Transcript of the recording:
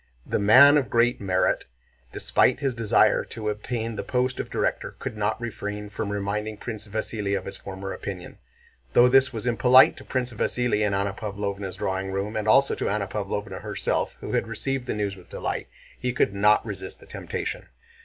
The "man of great merit," despite his desire to obtain the post of director, could not refrain from reminding Prince Vasíli of his former opinion. Though this was impolite to Prince Vasíli in Anna Pávlovna's drawing room, and also to Anna Pávlovna herself who had received the news with delight, he could not resist the temptation.